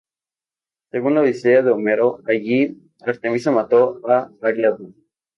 Según la "Odisea" de Homero, allí Artemisa mató a Ariadna.